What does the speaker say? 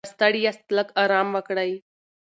که ستړي یاست، لږ ارام وکړئ.